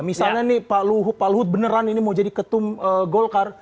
misalnya nih pak luhut beneran ini mau jadi ketum golkar